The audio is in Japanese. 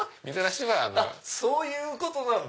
そういうことなんだ。